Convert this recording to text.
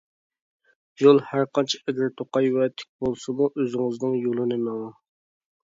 يول ھەرقانچە ئەگرى-توقاي ۋە تىك بولسىمۇ، ئۆزىڭىزنىڭ يولىنى مېڭىڭ.